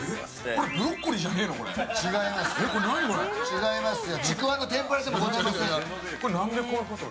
違いますよ。